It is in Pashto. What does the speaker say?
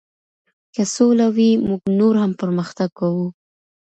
که سوله وي موږ نور هم پرمختګ کوو.